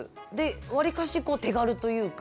わりかし手軽というか。